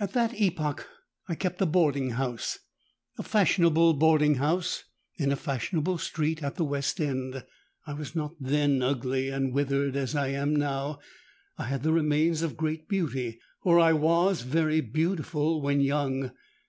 "At that epoch I kept a boarding house—a fashionable boarding house, in a fashionable street at the West End. I was not then ugly and withered as I am now: I had the remains of great beauty—for I was very beautiful when young!